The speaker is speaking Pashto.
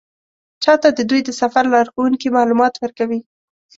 چا ته د دوی د سفر لارښوونکي معلومات ورکوي.